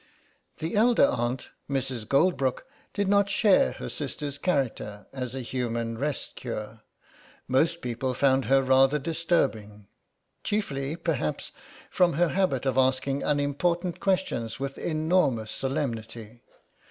The elder aunt, Mrs. Goldbrook, did not share her sister's character as a human rest cure; most people found her rather disturbing, chiefly, perhaps, from her habit of asking unimportant questions with enormous solemnity.